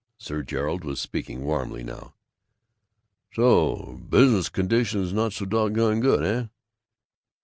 Sir Gerald was speaking warmly now. "So? Business conditions not so doggone good, eh?"